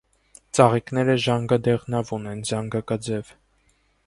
Ծաղիկները ժանգադեղնավուն են, զանգակաձև։